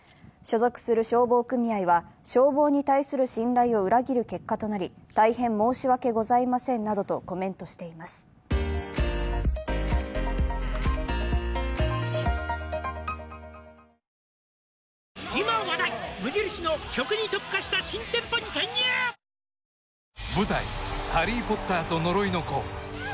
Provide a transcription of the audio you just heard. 所属する消防組合は、消防に対する信頼を裏切る結果となり大変申し訳ございませんなどとコメントしていま「Ｓｕｎトピ」奈良岡さんです。